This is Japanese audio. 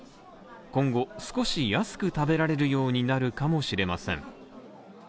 今後、少し安く食べられるようになるかもしれません。